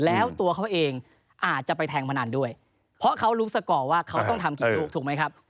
แล้วตัวเขาเองอาจจะไปแทงพนันด้วยเพราะเขารู้สกอร์ว่าเขาต้องทำกี่ลูกถูกไหมครับ